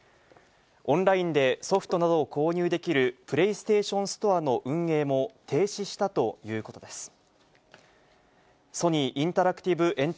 オンラインでソフトなどを購入できるプレイステーションストアの運営も停止したということです。